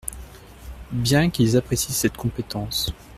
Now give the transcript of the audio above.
Bien qu’ils apprécient cette compétence.